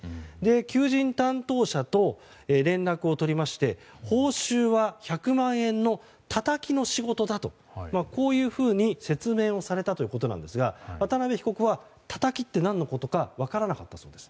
求人担当者と連絡を取りまして報酬は１００万円のタタキの仕事だとこういうふうに説明をされたということですが渡邉被告はタタキって何のことか分からなかったそうです。